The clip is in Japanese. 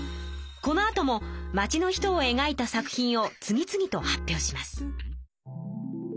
このあとも町の人を描いた作品を次々と発表します。